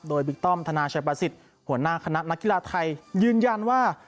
โดยบิ๊กต้อมธนาชัยประสิทธิ์หัวหน้าคณะนักกีฬาไทยยืนยันว่า